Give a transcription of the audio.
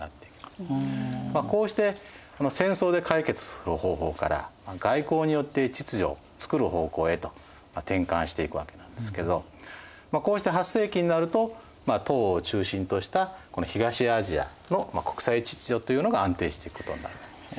こうして戦争で解決する方法から外交によって秩序をつくる方向へと転換していくわけなんですけどこうして８世紀になると唐を中心とした東アジアの国際秩序というのが安定していくことになるわけですね。